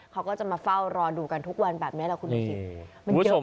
เขาก็จะมาเฝ้ารอดูกันทุกวันแบบนี้แหละคุณดูสิมันเยอะ